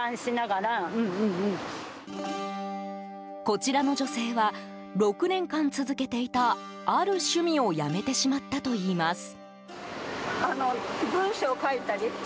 こちらの女性は６年間続けていたある趣味をやめてしまったといいます。